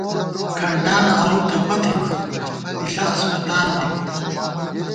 کھنٹانہ آؤو تھپہ تھِمان ، پِݪہ اسپَتال دِبہ